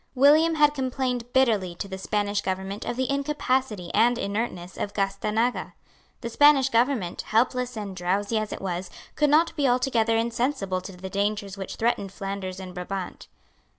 William had complained bitterly to the Spanish government of the incapacity and inertness of Gastanaga. The Spanish government, helpless and drowsy as it was, could not be altogether insensible to the dangers which threatened Flanders and Brabant.